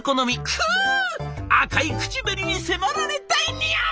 「く赤い口紅に迫られたいニャン！